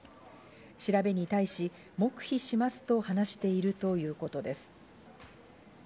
調べに対し黙秘しますと話しているということです。